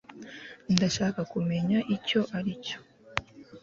ndashaka kumenya icyo aricyo